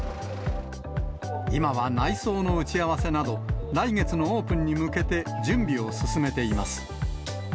今は内装の打ち合わせなど、来月のオープンに向けて、準備を進めています。